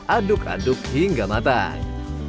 aduk aduk hingga matang